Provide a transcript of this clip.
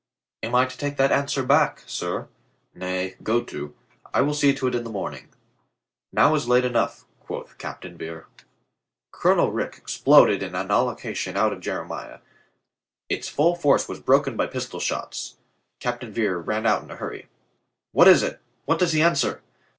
"Am I to take that answer back, sir?" "Nay, go to. I will see to it in the morning." "Now is late enough," quoth Captain Vere. Colonel Rich exploded in an allocution out of Jeremiah. Its full force was broken by pistol shots. Captain Vere ran out in a hurry. "What is it? What does he answer?